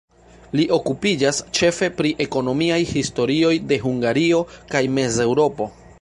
Li okupiĝas ĉefe pri ekonomiaj historioj de Hungario kaj Mez-Eŭropo.